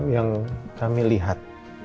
yang kami liat